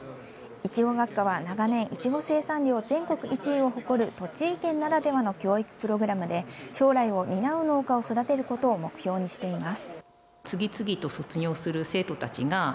いちご学科は、長年いちご生産量全国１位を誇る栃木県ならではの教育プログラムで将来を担う農家を育てることを目標にしています。